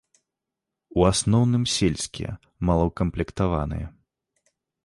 У асноўным сельскія, малаўкамплектаваныя.